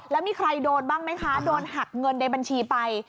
แล้วมีใครโดนบ้างไหมคะโดนหักเงินในบัญชีไป